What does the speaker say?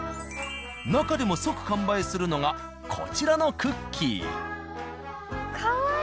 なかでも即完売するのがこちらのクッキー。